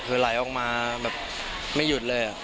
คือไหลออกมาแบบไม่หยุดเลย